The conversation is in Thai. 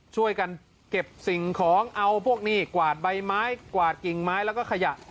ช่วยกันเก็บสิ่งของเอาพวกนี่กวาดใบไม้กวาดกิ่งไม้แล้วก็ขยะ